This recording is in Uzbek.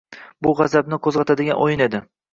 Bu g`azabni qo`zg`atadigan o`yin edi